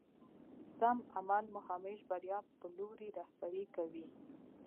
سم عمل مو همېش بريا په لوري رهبري کوي.